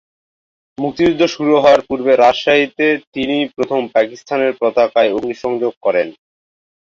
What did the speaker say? মুক্তিযুদ্ধ শুরু হওয়ার পূর্বে রাজশাহীতে তিনিই প্রথম পাকিস্তানের পতাকায় অগ্নিসংযোগ করেন।